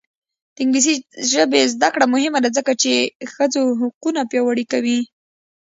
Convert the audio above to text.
د انګلیسي ژبې زده کړه مهمه ده ځکه چې ښځو حقونه پیاوړي کوي.